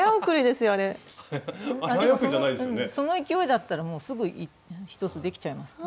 でもその勢いだったらもうすぐ１つできちゃいます。